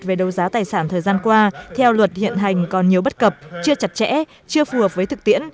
về đấu giá tài sản thời gian qua theo luật hiện hành còn nhiều bất cập chưa chặt chẽ chưa phù hợp với thực tiễn